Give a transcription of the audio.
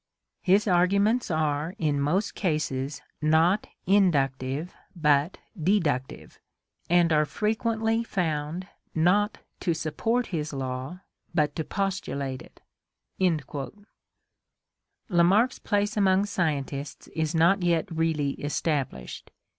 ... His arguments are, in most cases, not inductive, but deductive, and are frequently found not to support his law, but to postulate it." Lamarck's place among scientists is not yet really established.